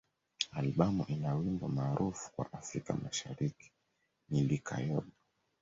Albamu ina wimbo maarufu kwa Afrika Mashariki ni "Likayabo.